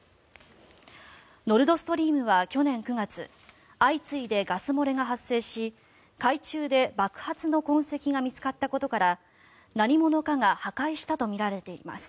ノルド・ストリームは去年９月相次いでガス漏れが発生し海中で爆発の痕跡が見つかったことから何者かが破壊したとみられています。